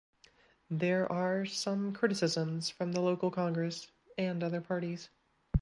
There are some criticisms from the local congress and other parties.